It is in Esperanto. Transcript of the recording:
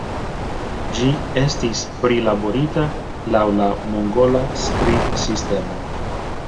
Ĝi estis prilaborita laŭ la mongola skribsistemo.